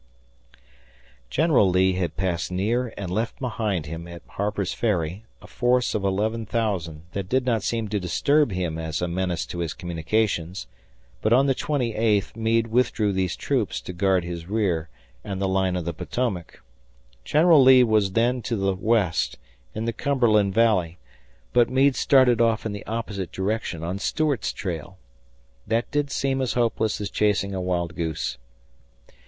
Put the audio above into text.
General Lee had passed near and left behind him at Harper's Ferry a force of 11,000 that did not seem to disturb him as a menace to his communications, but on the twenty eighth Meade withdrew these troops to guard his rear and the line of the Potomac. General Lee was then to the west, in the Cumberland Valley, but Meade started off in the opposite direction on Stuart's trail. That did seem as hopeless as chasing a wild goose.